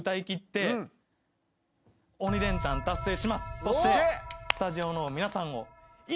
そしてスタジオの皆さんを。